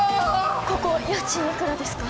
ここ家賃いくらですか？